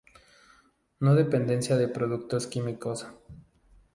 No dependencia de productos químicos.